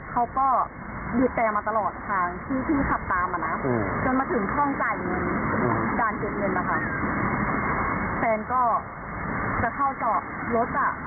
เขาก็หยุดแกมาตลอดทางที่พี่ขับตามมานะจนมาถึงท่องจ่ายเงิน